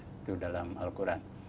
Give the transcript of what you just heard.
itu dalam al quran